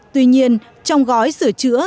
tuy nhiên trong gói sửa chữa